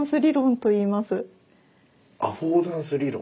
アフォーダンス理論？